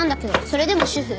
それでも主婦？